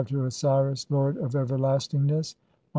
to Osiris lord of everlastingness, 106.